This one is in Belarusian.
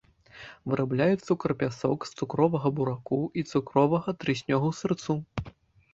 Вырабляе цукар-пясок з цукровага бураку і цукровага трыснёгу-сырцу.